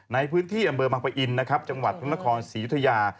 ในพื้นที่อำเบิร์นบางประอินทร์จังหวัดพุทธนครศรีอยุธยา